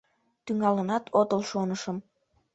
Тӱҥалынат отыл, шонышым.